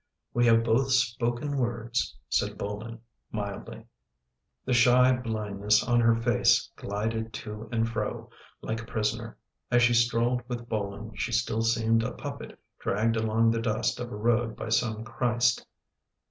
" We have both spoken words," said Bolin mildly. The shy blindness on her face glided to and fro, like a prisoner. As she strolled with Bolin she still seemed a puppet dragged along the dust of a road by some Christ.